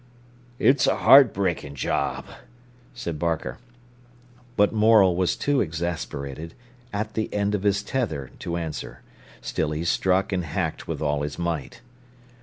"It's a heart breaking job," said Barker. But Morel was too exasperated, at the end of his tether, to answer. Still he struck and hacked with all his might.